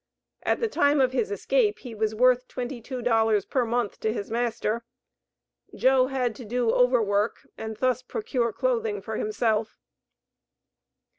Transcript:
At the time of his escape he was worth twenty two dollars per month to his master. Joe had to do overwork and thus procure clothing for himself.